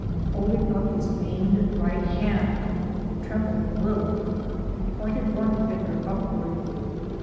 Holding up his maimed right hand (that trembled a little), he pointed one finger upward.